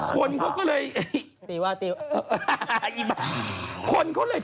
คนเขาก็เลย